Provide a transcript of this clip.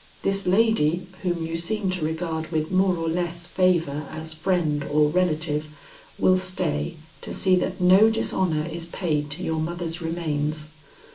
This lady, whom you seem to regard with more or less favor as friend or relative, will stay to see that no dishonor is paid to your mother's remains.